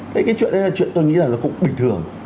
thế cái chuyện đấy là chuyện tôi nghĩ là nó cũng bình thường